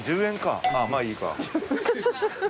まぁいいか。